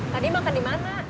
tadi makan di mana